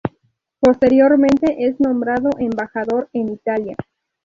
Posteriormente es nombrado Embajador en Italia.